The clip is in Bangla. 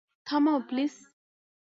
থামাও, প্লিজ।